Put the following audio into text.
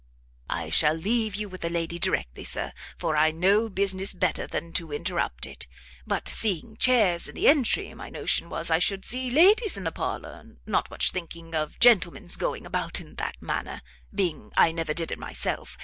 "I shall leave you with the lady directly, Sir; for I know business better than to interrupt it: but seeing chairs in the entry, my notion was I should see ladies in the parlour, not much thinking of gentlemen's going about in that manner, being I never did it myself.